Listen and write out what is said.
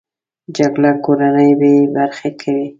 جګړه کورنۍ بې برخې کوي